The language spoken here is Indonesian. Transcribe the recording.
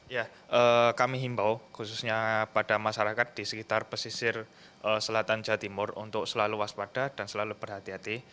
ya kami himbau khususnya pada masyarakat di sekitar pesisir selatan jawa timur untuk selalu waspada dan selalu berhati hati